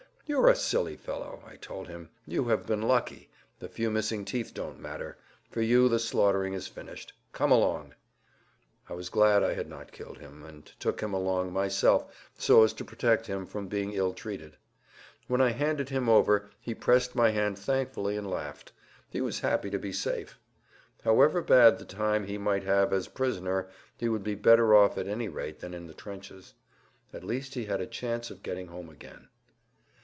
"You are a silly fellow," I told him; "you have been lucky. The few missing teeth don't matter. For you the slaughtering is finished; come along!" I was glad I had not killed him, and took him along myself so as to protect him from being ill treated. When I handed him over he pressed my hand thankfully and laughed; he was happy to be safe. However bad the time he might have as prisoner he would be better off at any rate than in the trenches. At least he had a chance of getting home again.